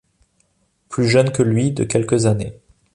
plus jeune que lui de quelques années.